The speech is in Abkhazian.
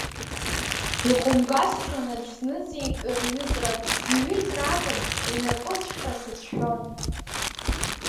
Ихәымгасшьон аӡә сныҵеикыр ҩыҵрак, иҩыҵра акәым, инапыцәҟьа сацәшәон.